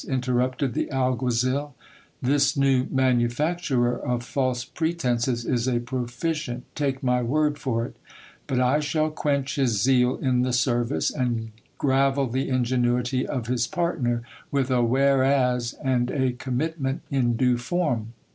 interrupted the alguaziL This new manufacturer of false pretences is a proficient, take my word for it ; but I shall quench his zeal in the service, and gravel the ingenuity of his partner, with a whereas and a commitment in due form.